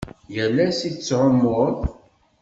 Yal ass i tettɛummuḍ?